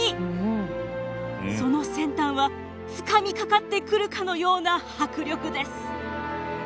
その先端はつかみかかってくるかのような迫力です。